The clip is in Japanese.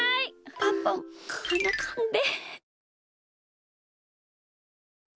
パパはなかんで。